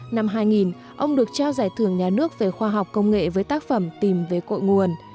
năm hai nghìn ông được trao giải thưởng nhà nước về khoa học công nghệ với tác phẩm tìm về cội nguồn